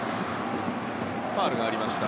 ファウルがありました。